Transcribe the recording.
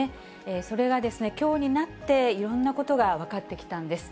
それがきょうになって、いろんなことが分かってきたんです。